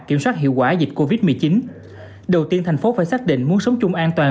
kiểm soát hiệu quả dịch covid một mươi chín đầu tiên thành phố phải xác định muốn sống chung an toàn